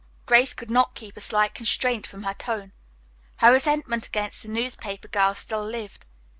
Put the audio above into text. Grace could not keep a slight constraint from her tone. Her resentment against the newspaper girl still lived.